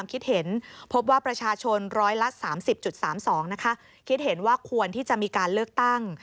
คิดเห็นว่าควรที่จะมีการเลือกตั้ง